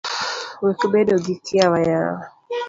Wek bedo gi kiawa yawa